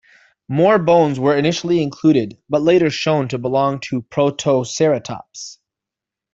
More bones were initially included but later shown to belong to "Protoceratops".